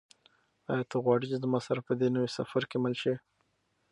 آیا ته غواړې چې زما سره په دې نوي سفر کې مل شې؟